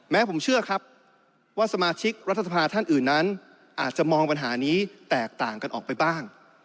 แม้ผมเชื่อครับว่าสมาชิกรัฐสภาท่านอื่นนั้นอาจจะมองปัญหานี้แตกต่างกันออกไปบ้าง